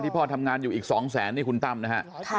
พ่อทำงานอยู่อีก๒แสนนี่คุณตั้มนะฮะ